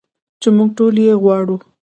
چې موږ ټول یې غواړو.